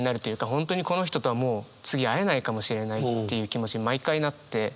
本当にこの人とはもう次会えないかもしれないっていう気持ちに毎回なって。